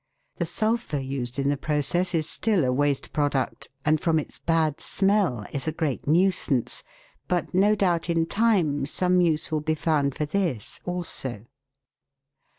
The sulphur used in the process is still a waste product, and from its bad smell is a great nuisance ; but no doubt in time some use will be found for this also.